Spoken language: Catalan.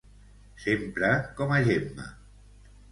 S'empra com a gemma.